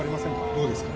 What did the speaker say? どうですか？